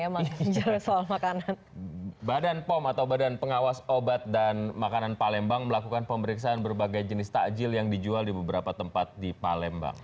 makanan badan pengawas obat dan makanan palembang melakukan pemeriksaan berbagai jenis takjil yang dijual di beberapa tempat di palembang